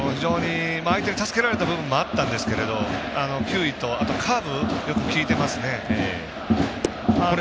相手に助けられた部分もあったと思いますが球威とカーブがよく効いてますね。